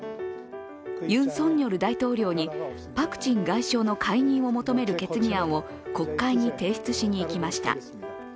ユン・ソンニョル大統領にパク・チン外相の解任を求める決議案を国会に提出しにいきました。